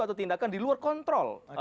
atau tindakan di luar kontrol